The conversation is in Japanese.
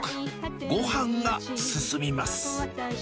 ごはんが進みます。